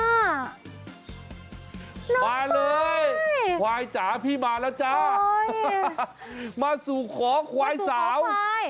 น้องควายมาเลยควายจ๋าพี่มาแล้วจ้ามาสู่ขอควายสาว